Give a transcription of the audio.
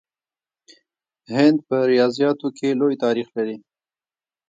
هند په ریاضیاتو کې لوی تاریخ لري.